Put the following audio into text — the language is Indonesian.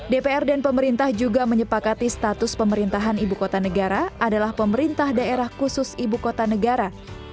dpr dan pemerintah juga menyepakati status pemerintahan ibu kota negara adalah pemerintah daerah khusus ibu kota negara